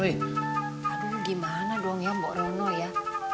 aduh gimana dong ya mbak rono ya